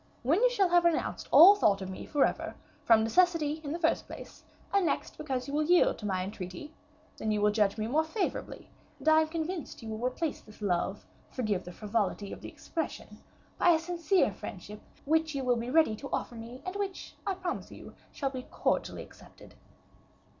"When you shall have renounced all thought of me forever, from necessity in the first place, and, next, because you will yield to my entreaty, then you will judge me more favorably, and I am convinced you will replace this love forgive the frivolity of the expression by a sincere friendship, which you will be ready to offer me, and which, I promise you, shall be cordially accepted."